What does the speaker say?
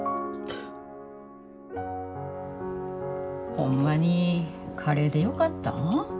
ホンマにカレーでよかったん？